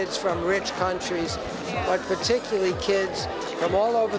bukan hanya beberapa anak dari negara yang kaya